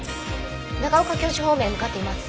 長岡京市方面へ向かっています。